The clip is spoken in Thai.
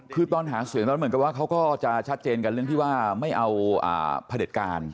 คือตอนหาเสียงตอนนั้นเหมือนกับว่าเขาก็จะชัดเจนกันเรื่องที่ว่าไม่เอาผลิตการ